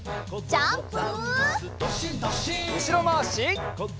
ジャンプ！